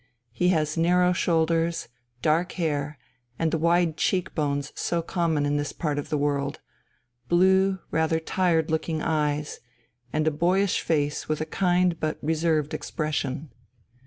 He has narrow shoulders, dark hair, and the wide cheek bones so common in this part of the world, blue rather tired looking eyes, and a boyish face with a kind but reserved expression.